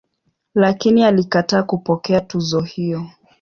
Lakini alikataa kupokea tuzo hiyo.